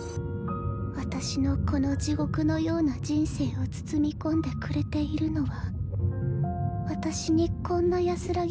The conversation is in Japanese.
私のこの地獄のような人生を包み込んでくれているのは。